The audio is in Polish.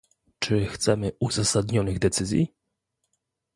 Czy chcemy uzasadnionych decyzji?